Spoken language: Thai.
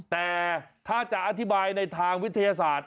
แต่ถ้าจะอธิบายในทางวิทยาศาสตร์